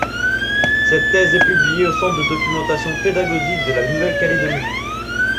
Cette thèse est publiée au Centre de documentation pédagogique de la Nouvelle-Calédonie.